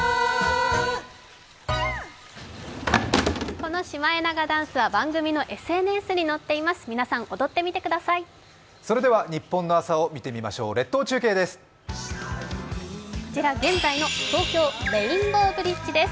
このシマエナガダンスは番組のＳＮＳに載っています。